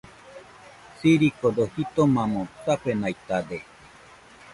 Sirikodo jitomamo safenaitade.